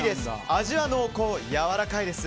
味は濃厚、やわらかいです。